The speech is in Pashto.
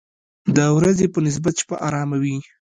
د ورځې په نسبت شپه آرامه وي.